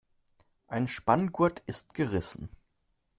Ein Spanngurt ist gerissen.